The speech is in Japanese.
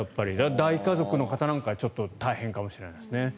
大家族の方なんかは、ちょっと大変かもしれないですね。